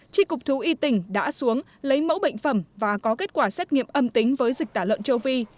tri cục thú y tỉnh đã xuống lấy mẫu bệnh phẩm và có kết quả xét nghiệm âm tính với dịch tả lợn châu phi